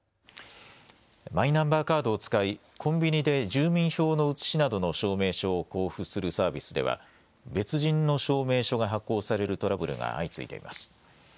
マイナンバーカードを使いコンビニで住民票の写しなどの証明書を交付するサービスでは別人の証明書が発行されるトラブルが相次いでいます。